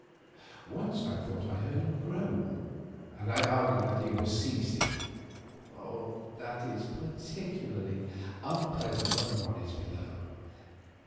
Once I thought I heard him groan, and I argued that he was sea sick. That is particularly unpleasant when one is below.